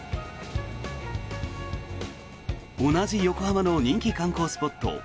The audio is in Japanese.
同じ横浜の人気観光スポット